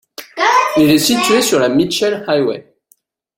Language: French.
Il est situé sur la Mitchell Highway.